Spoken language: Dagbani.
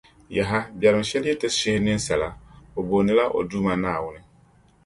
Yaha! Biɛrim shεli yi ti shihi ninsala, o boondila o Duuma Naawuni.